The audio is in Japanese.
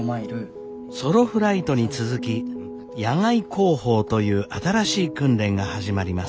．ソロフライトに続き野外航法という新しい訓練が始まります。